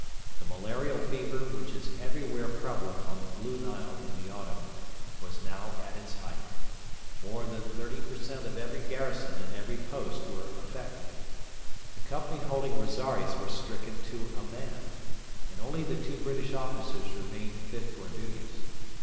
The malarial fever, which is everywhere prevalent on the Blue Nile in the autumn, was now at its height. More than 30 per cent of every garrison and every post were affected. The company holding Rosaires were stricken to a man, and only the two British officers remained fit for duty.